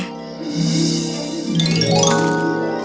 freddy kau sudah berhasil